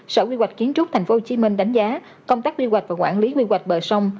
sở quy hoạch kiến trúc tp hcm đánh giá công tác quy hoạch và quản lý quy hoạch bờ sông